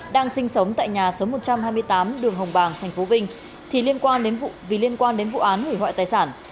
đang sinh sống tại nhà số một trăm hai mươi tám đường hồng bàng tp vinh vì liên quan đến vụ án hủy hoại tài sản